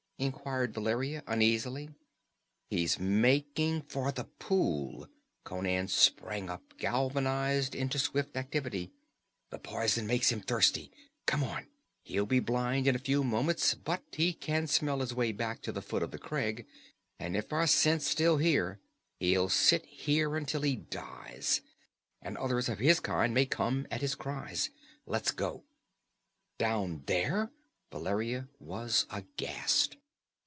inquired Valeria uneasily. "He's making for the pool!" Conan sprang up, galvanized into swift activity. "The poison makes him thirsty. Come on! He'll be blind in a few moments, but he can smell his way back to the foot of the crag, and if our scent's here still, he'll sit there until he dies. And others of his kind may come at his cries. Let's go!" "Down there?" Valeria was aghast.